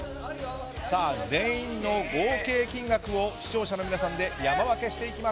全員の合計金額を視聴者の皆さんで山分けしていきます。